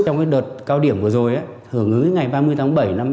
trong đợt cao điểm vừa rồi hưởng ứng ngày ba mươi tháng bảy năm hai nghìn hai mươi